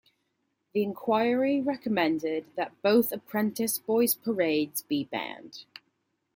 The inquiry recommended that both Apprentice Boys parades be banned.